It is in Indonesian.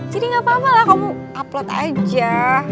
jadi gak apa apa lah kamu upload aja